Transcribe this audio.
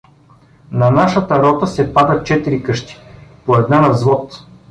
На нашата рота се падат четири къщи, по една на взвод.